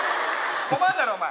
困るだろお前。